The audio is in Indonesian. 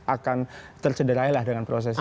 akan tersederailah dengan proses ini